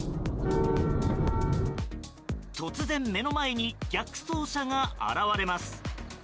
突然、目の前に逆走車が現れます。